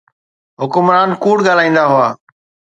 حڪمران ڪوڙ ڳالهائيندا هئا.